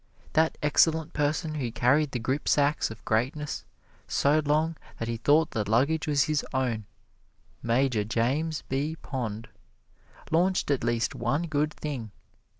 That excellent person who carried the gripsacks of greatness so long that he thought the luggage was his own, Major James B. Pond, launched at least one good thing.